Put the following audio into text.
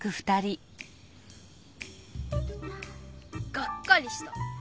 がっかりした！